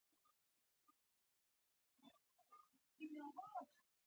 مالټې طبیعي شکر لري.